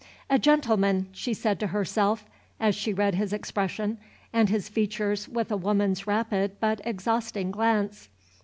"A gentleman," she said to herself, as she read his expression and his features with a woman's rapid, but exhausting glance.